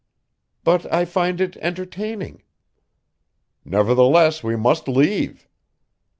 "But I find it entertaining." "Nevertheless, we must leave."